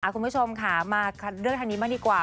คุณผู้ชมค่ะมาเรื่องทางนี้บ้างดีกว่า